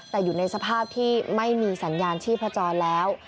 แต่อยู่ในสภาพที่ไม่มีสัญญาณชีพจรแล้ว